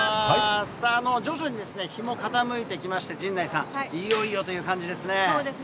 さあ、徐々に日も傾いてきまして、陣内さん、いよいよという感じでそうですね。